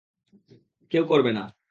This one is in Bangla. কেউ করবে না।